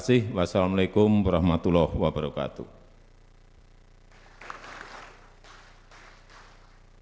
pihak yang melakukan pelanggaran semuanya harus bertanggung jawab atas kerugian negara